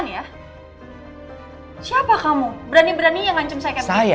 saya akan pilih sana saja berk privilegium diri saya